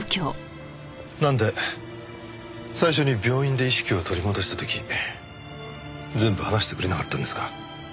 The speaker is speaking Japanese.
なんで最初に病院で意識を取り戻した時全部話してくれなかったんですか？